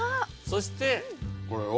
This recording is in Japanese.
そして。